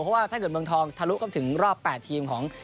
เพราะว่าถ้าเกิดเมืองทองทะลุกับถึงรอบ๘ทีมของ